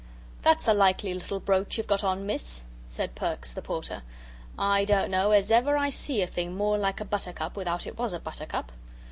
"That's a likely little brooch you've got on, Miss," said Perks the Porter; "I don't know as ever I see a thing more like a buttercup without it WAS a buttercup."